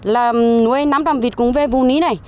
là nuôi năm trăm linh vịt cúng về vù ní này